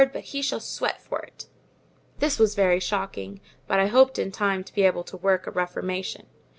but he shall sweat for it." This was very shocking; but I hoped in time to be able to work a reformation.